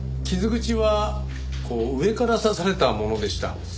傷口はこう上から刺されたものでした。